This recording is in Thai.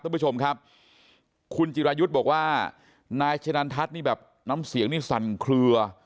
ท่านผู้ชมครับคุณจิรายุทธ์บอกว่านายชะนันทัศน์นี่แบบน้ำเสียงนี่สั่นเคลือ